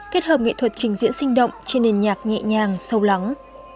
kết hợp nghệ thuật trình diễn sinh động trên nền nhạc nhẹ nhàng sâu lắng